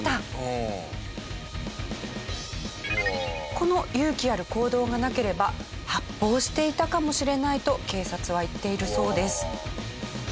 この勇気ある行動がなければ発砲していたかもしれないと警察は言っているそうです。